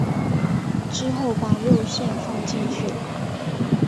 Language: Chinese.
之后把肉馅放进去。